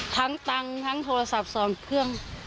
ทั้งตังค์ทั้งโทรศัพท์ส่วนเครื่อง